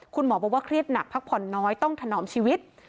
คุณหมอบอกว่าเครียดหนักพักผ่อนน้อยต้องถนอมชีวิต